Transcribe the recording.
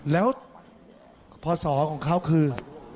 แล้วพอสองของเขาคือ๒๕๐๘